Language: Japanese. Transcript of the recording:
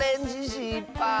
しっぱい。